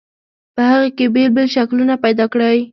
په هغې کې بېل بېل شکلونه پیدا کړئ.